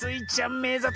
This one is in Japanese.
めざとい！